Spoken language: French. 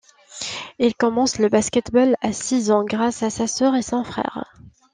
Il commence le basket-ball à six ans grâce à sa sœur et son frère.